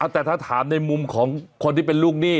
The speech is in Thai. แต่ถ้าถามในมุมของคนที่เป็นลูกหนี้